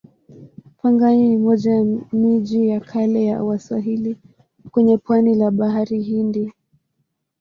Pangani ni moja ya miji ya kale ya Waswahili kwenye pwani la Bahari Hindi.